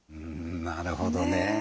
なるほどね。